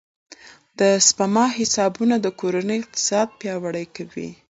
د سپما حسابونه د کورنۍ اقتصاد پیاوړی کوي.